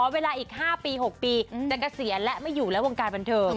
เวลาอีก๕ปี๖ปีจะเกษียณและไม่อยู่แล้ววงการบันเทิง